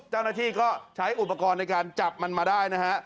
เจ้าหน้าที่ก็ใช้อุปกรณ์ในการจับมันมาได้นะฮะ